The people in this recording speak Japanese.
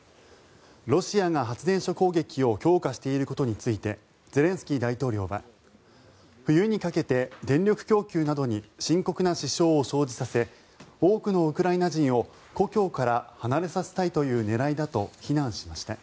ロシアが発電所攻撃を強化していることについてゼレンスキー大統領は冬にかけて電力供給などに深刻な支障を生じさせ多くのウクライナ人を故郷から離れさせたいという狙いだと非難しました。